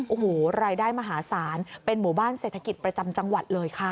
โอ้โหรายได้มหาศาลเป็นหมู่บ้านเศรษฐกิจประจำจังหวัดเลยค่ะ